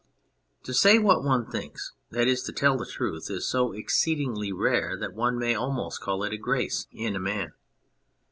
To say what one thinks, that is, to tell the truth, is so exceedingly rare that one may almost call it a grace in a man.